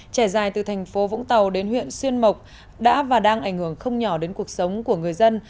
trải dài từ thành phố vũng tàu đến huyện xuyên mộc đã và đang ảnh hưởng không nhỏ đến cuộc sống của người dân